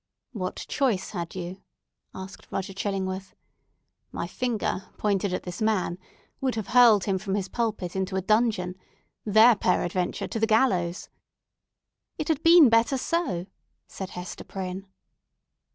"What choice had you?" asked Roger Chillingworth. "My finger, pointed at this man, would have hurled him from his pulpit into a dungeon, thence, peradventure, to the gallows!" "It had been better so!" said Hester Prynne.